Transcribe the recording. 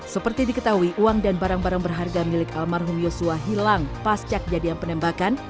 seperti diketahui uang dan barang barang berharga milik almarhum yosua hilang pascak jadian penembakan